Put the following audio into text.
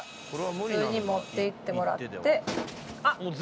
普通に持っていってもらってあっ！